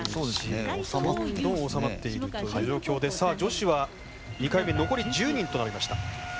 どんどん収まっているという状況で、女子は２回目残り１０人となりました。